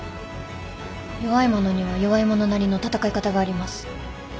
弱いものには弱いものなりの戦い方があります。